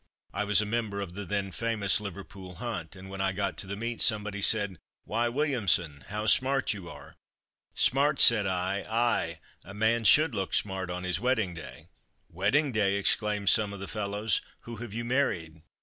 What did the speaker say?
I was a member of the then famous 'Liverpool Hunt,' and when I got to the Meet somebody said, 'Why, Williamson, how smart you are!' 'Smart,' said I, 'aye! a man should look smart on his wedding day!' 'Wedding day,' exclaimed some of the fellows, 'Who have you married?'